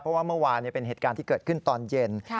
เพราะว่าเมื่อวานเป็นเหตุการณ์ที่เกิดขึ้นตอนเย็น